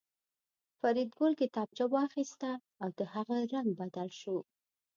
فریدګل کتابچه واخیسته او د هغه رنګ بدل شو